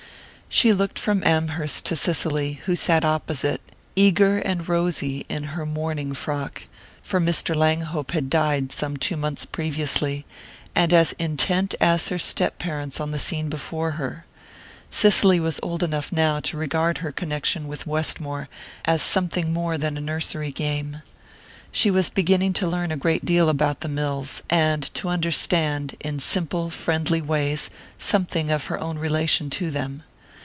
She looked from Amherst to Cicely, who sat opposite, eager and rosy in her mourning frock for Mr. Langhope had died some two months previously and as intent as her step parents on the scene before her. Cicely was old enough now to regard her connection with Westmore as something more than a nursery game. She was beginning to learn a great deal about the mills, and to understand, in simple, friendly ways, something of her own relation to them.